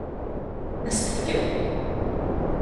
Ad s-t-fken?